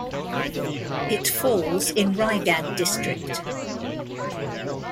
It falls in Raigad district.